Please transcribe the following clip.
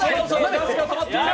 ガスがたまっている。